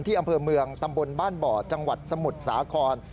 อำเภอเมืองตำบลบ้านบ่อจังหวัดสมุทรสาคร